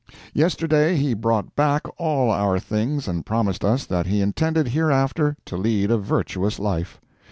Yesterday, he brought back all our things and promised us that he intended hereafter to lead a virtuous life.